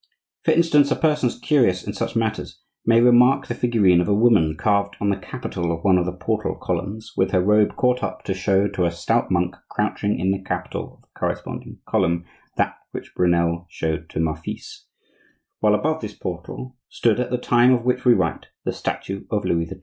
For instance, persons curious in such matters may remark the figurine of a woman carved on the capital of one of the portal columns, with her robe caught up to show to a stout monk crouching in the capital of the corresponding column "that which Brunelle showed to Marphise"; while above this portal stood, at the time of which we write, the statue of Louis XII.